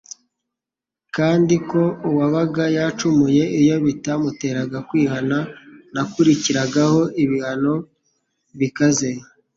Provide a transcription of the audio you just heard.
kandi ko uwabaga yacumuye iyo bitamuteraga kwihana 'nakurikiragaho ibihano bikaze.